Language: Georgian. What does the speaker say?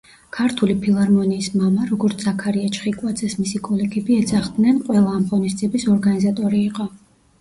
ქართული ფილარმონიის „მამა“, როგორც ზაქარია ჩხიკვაძეს მისი კოლეგები ეძახდნენ, ყველა ამ ღონისძიების ორგანიზატორი იყო.